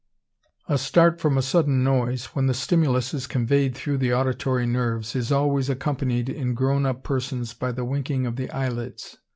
A start from a sudden noise, when the stimulus is conveyed through the auditory nerves, is always accompanied in grown up persons by the winking of the eyelids.